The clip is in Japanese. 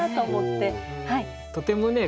とてもね